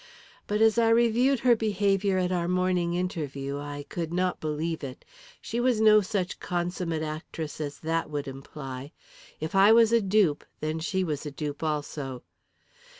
But, as I reviewed her behaviour at our morning interview, I could not believe it. She was no such consummate actress as that would imply. If I was a dupe, then she was a dupe also.